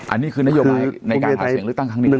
อันนี้คือนโยบายในการหาเสียงเลือกตั้งครั้งนี้